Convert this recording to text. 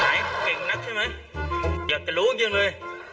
เก่งนักใช่ไหมอยากจะรู้จริงเลย